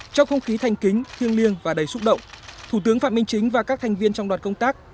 trong không khí thanh kính thiêng liêng và đầy xúc động thủ tướng phạm minh chính và các thành viên trong đoàn công tác